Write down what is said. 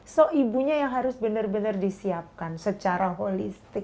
so ibunya yang harus benar benar disiapkan secara holistik